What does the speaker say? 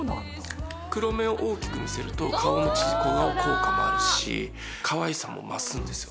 黒目を大きく見せると小顔効果もあるしかわいさも増すんですよ